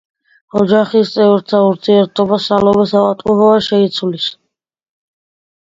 ოჯახის წევრთა ურთიერთობას სალომეს ავადმყოფობა შეცვლის.